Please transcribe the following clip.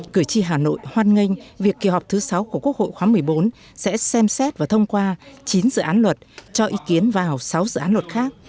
cử tri hà nội hoan nghênh việc kỳ họp thứ sáu của quốc hội khóa một mươi bốn sẽ xem xét và thông qua chín dự án luật cho ý kiến vào sáu dự án luật khác